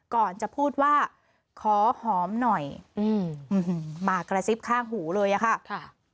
ก่อนจะพูดว่าขอหอมหน่อยอืมมากระซิบข้างหูเลยอะค่ะ